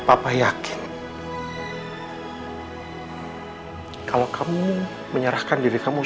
apa mama harus pisah sama kamu